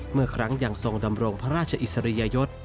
เมื่อครั้งยังทรงดำรงพระราชอิสริยยศ